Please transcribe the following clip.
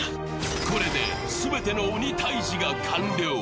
これで全ての鬼タイジが完了。